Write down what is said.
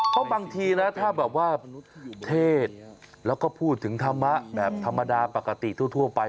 เพราะบางทีนะถ้าแบบว่าเทศแล้วก็พูดถึงธรรมะแบบธรรมดาปกติทั่วไป